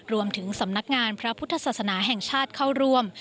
รวมถึงสำนักงานพระพุทธศาสนาแห่งชาติเข้าร่วม